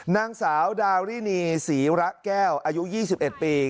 นางสาวดารินีศรีระแก้วอายุ๒๑ปี